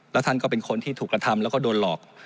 แล้วท่านก็เป็นคนที่ถูกกระทำแล้วก็โดนหลอก